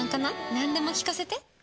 何でも聞かせて。